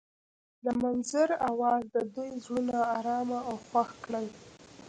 د منظر اواز د دوی زړونه ارامه او خوښ کړل.